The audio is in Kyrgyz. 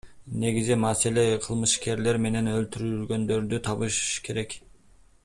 Негизги маселе кылмышкерлер менен өлтүргөндөрдү табыш керек.